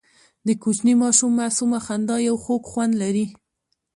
د کوچني ماشوم معصومه خندا یو خوږ خوند لري.